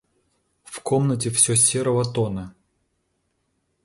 В комнате всё серого тона.